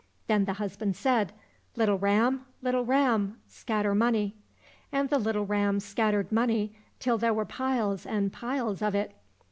Then the husband said, '' Little ram, little ram, scatter money !" And the little ram scattered money till there were piles and piles of it.